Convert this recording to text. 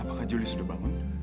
apakah juli sudah bangun